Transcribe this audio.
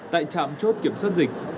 tại trạm chốt kiểm soát dịch